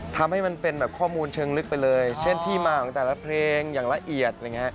ทำให้มันเป็นข้อมูลเชิงลึกไปเลยเช่นที่มาของแต่ละเพลงอย่างละเอียด